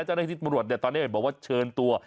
เจ้าหน้าคิดบริวัติตอนนี้บอกว่าเชิญตัว